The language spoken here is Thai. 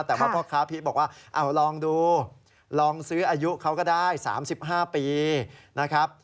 แต่ว่าพ่อค้าพีชบอกว่าลองดูลองซื้ออายุเขาก็ได้๓๕ปีนะครับ